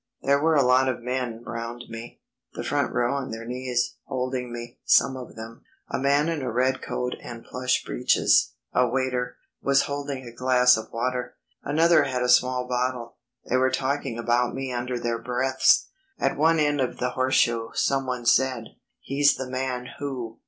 There were a lot of men round me, the front row on their knees holding me, some of them. A man in a red coat and plush breeches a waiter was holding a glass of water; another had a small bottle. They were talking about me under their breaths. At one end of the horseshoe someone said: "He's the man who...."